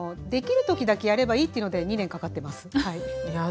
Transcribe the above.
できる時だけやればいいっていうので２年かかってますはい。